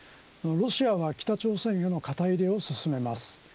ロシアは北朝鮮への肩入れを進めます。